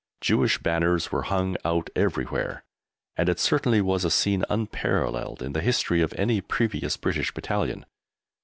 Jewish banners were hung out everywhere, and it certainly was a scene unparalleled in the history of any previous British Battalion.